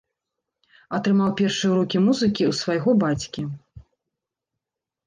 Атрымаў першыя ўрокі музыкі ў свайго бацькі.